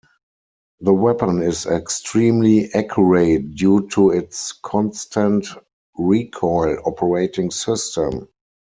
The weapon is extremely accurate due to its constant-recoil operating system.